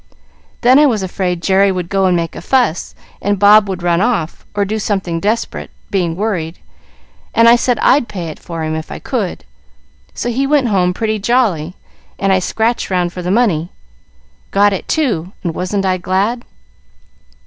Then I was afraid Jerry would go and make a fuss, and Bob would run off, or do something desperate, being worried, and I said I'd pay it for him, if I could. So he went home pretty jolly, and I scratched 'round for the money. Got it, too, and wasn't I glad?"